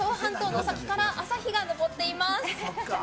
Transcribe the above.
房総半島の先から朝日がのぼっています。